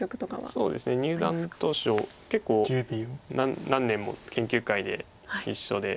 そうですね入段当初結構何年も研究会で一緒で。